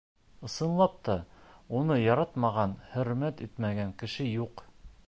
Ысынлап та, уны яратмаған, хөрмәт итмәгән кеше юҡ.